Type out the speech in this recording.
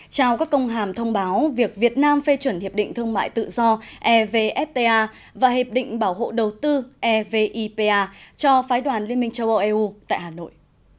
trao các công hàm thông báo việc việt nam phê chuẩn hiệp định thương mại tự do evfta và hiệp định bảo hộ đầu tư evipa cho phái đoàn liên minh châu âu eu tại hà nội